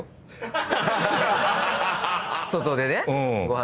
外でねご飯